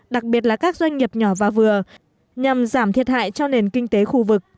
đặc biệt là các doanh nghiệp nhỏ và vừa nhằm giảm thiệt hại cho nền kinh tế khu vực